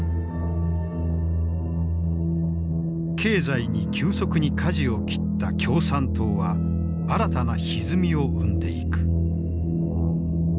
経済に急速にかじを切った共産党は新たなひずみを生んでいく。